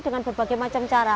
dengan berbagai macam cara